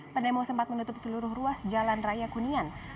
pendemo sempat menutup seluruh ruas jalan raya kuningan